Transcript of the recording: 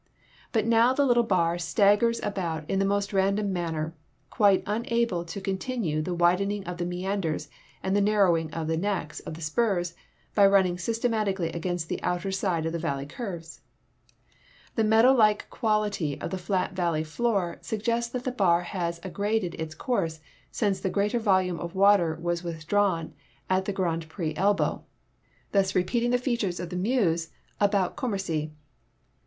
But now the little Bar staggers THE SEINE, THE MEUSE, AND THE MOSELLE 233 about in the most random manner, quite unable to continue the widening of the meanders and the narrowing of the necks of the spurs by running S3^stematically against the outer side of tlie valley curves. The meadow like (piality of the flat valle}' floor suggests that the Bar has aggraded its course since the greater volume of Avater was AvithdraAvn at the Grand Pre ell)OW, thus re peating the features of the Meuse about Commercy.